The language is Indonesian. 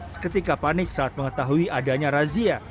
seketika panik saat mengetahui adanya razia